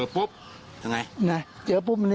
พอเราเจอปุ๊บจะไง